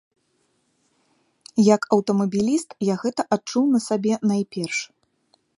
Як аўтамабіліст, я гэта адчуў на сабе найперш.